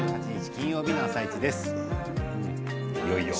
金曜日の「あさイチ」です。